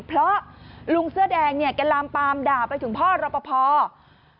เพราะลุงเสื้อแดงแกลามปามด่าไปถึงพ่อรอบพอร์